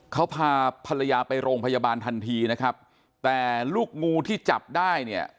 เขาพาภรรยาไปโรงพยาบาลทันทีนะครับแต่ลูกงูที่จับได้เนี่ย